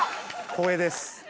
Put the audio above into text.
光栄です。